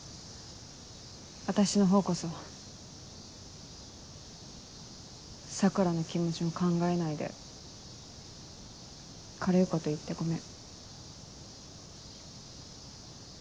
私のほうこそ桜の気持ちも考えないで軽いこと言ってごめん。